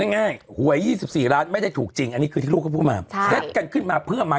ง่ายหวย๒๔ล้านไม่ได้ถูกจริงอันนี้คือที่ลูกเขาพูดมา